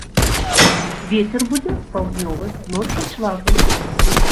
Вецер будзе паўднёвы, ноччу слабы.